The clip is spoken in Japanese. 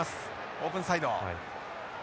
オープンサイド。